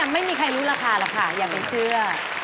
ไม่มีใครรู้ราคาหรอกค่ะอย่าไปเชื่อ